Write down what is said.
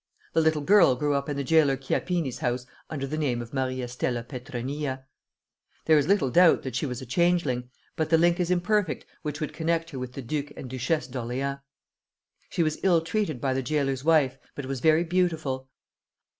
The little girl grew up in the jailer Chiappini's house under the name of Maria Stella Petronilla. There is little doubt that she was a changeling, but the link is imperfect which would connect her with the Duke and Duchess of Orleans. She was ill treated by the jailer's wife, but was very beautiful.